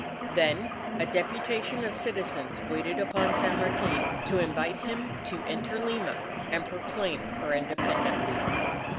Then a deputation of citizens waited upon San Martin to invite him to enter Lima and proclaim her Independence.